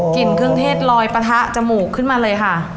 เครื่องเทศลอยปะทะจมูกขึ้นมาเลยค่ะ